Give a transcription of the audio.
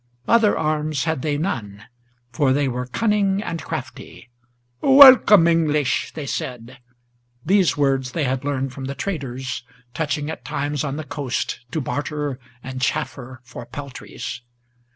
Other arms had they none, for they were cunning and crafty. "Welcome, English!" they said, these words they had learned from the traders Touching at times on the coast, to barter and chaffer for peltries.